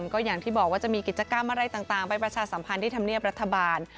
ก็อย่างที่บอกว่าจะมีกิจกรรมอะไรต่างไปประชาสัมพันธ์ที่ธรรมเนียบรัฐบาล